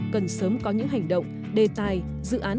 cần sớm có những hành động đề tài dự án